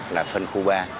là phân khu ba